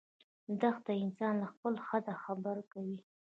دښته انسان له خپل حده خبر کوي.